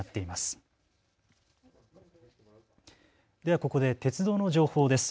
ここで鉄道の情報です。